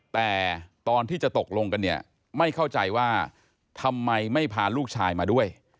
แต่ตอนที่จะตกลงกันเนี่ยไม่เข้าใจว่าทำไมไม่พาลูกชายมาด้วย